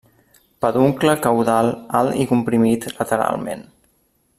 Peduncle caudal alt i comprimit lateralment.